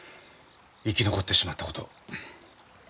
生き残ってしまったことを。